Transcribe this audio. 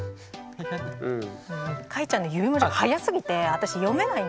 かいちゃんの指文字が速すぎて私読めないんですよ